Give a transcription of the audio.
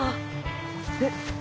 えっ？